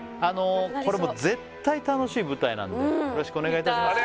これもう絶対楽しい舞台なんでよろしくお願いいたします